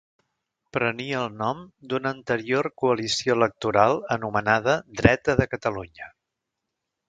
Prenia el nom d'una anterior coalició electoral anomenada Dreta de Catalunya.